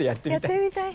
やってみたい。